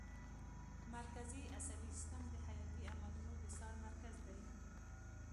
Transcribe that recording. مرکزي عصبي سیستم د حیاتي عملونو د څار مرکز دی